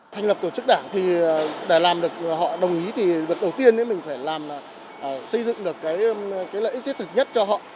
thành lập tổ chức đảng thì để làm được họ đồng ý thì việc đầu tiên mình phải làm xây dựng được cái lợi ích thiết thực nhất cho họ